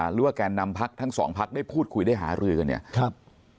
เลือกแล้วแก้นนำทั้ง๒พักได้พูดคุยได้หารือกัน